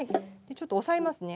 ちょっと押さえますね。